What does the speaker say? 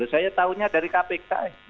saya tahunya dari kpk